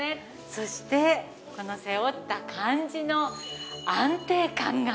そしてこの背負った感じの安定感が。